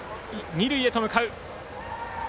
二塁へと向かう。